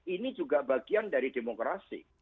ini juga bagian dari demokrasi